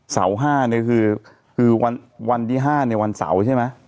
สาวห้าเนี่ยคือคือวันที่ห้าในวันเสาใช่ไหม